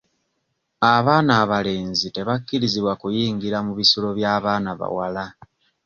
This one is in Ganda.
Abaana abalenzi tebakkirizibwa kuyingira mu bisulo by'abaana bawala.